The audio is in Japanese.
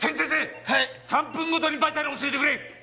３分ごとにバイタルを教えてくれ！